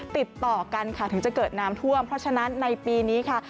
ติดต่อกันค่ะถึงจะเกิดน้ำท่วมเพราะฉะนั้นในปีนี้ค่ะ